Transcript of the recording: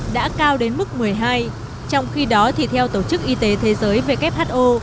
đã cao đến mức một mươi hai trong khi đó thì theo tổ chức y tế thế giới who